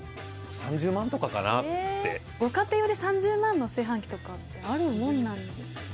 ご家庭用で３０万の炊飯器とかあるもんなんですか？